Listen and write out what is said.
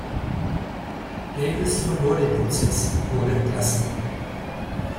Davis verlor den Prozess und wurde entlassen.